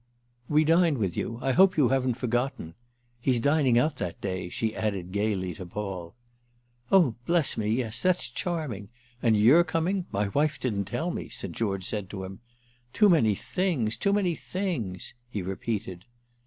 "We dine with you; I hope you haven't forgotten. He's dining out that day," she added gaily to Paul. "Oh bless me, yes—that's charming! And you're coming? My wife didn't tell me," St. George said to him. "Too many things—too many things!" he repeated.